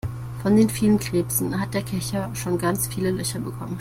Von den vielen Krebsen hat der Kescher schon ganz viele Löcher bekommen.